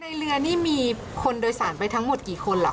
ในเรือนี่มีคนโดยสารไปทั้งหมดกี่คนเหรอค